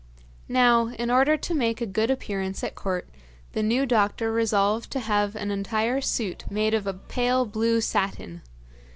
Now, in order to make a good appearance at court the new doctor resolved to have an entire suit made of pale blue satin.